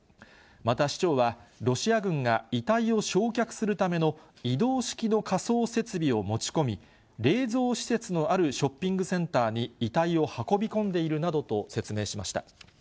また市長は、ロシア軍が遺体を焼却するための移動式の火葬設備を持ち込み、冷蔵施設のあるショッピングセンターに遺体を運び込んでいるなどと説明しました。